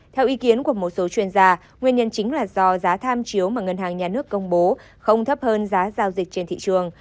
theo ý kiến của một số chuyên gia nguyên nhân chính là do giá tham chiếu mà ngân hàng nhà nước công bố không thấp hơn giá giao dịch trên thị trường